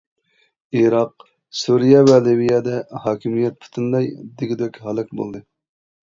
ئىراق، سۈرىيە ۋە لىۋىيەدە ھاكىمىيەت پۈتۈنلەي دېگۈدەك ھالاك بولدى.